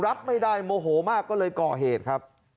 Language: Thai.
รับไม่ได้โมโหมากก็เลยก่อเหตุครับ